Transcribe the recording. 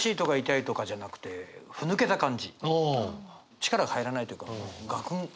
力が入らないというかガクンって。